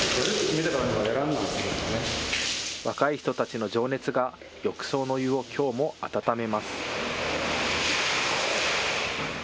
若い人たちの情熱が、浴槽のお湯をきょうも温めます。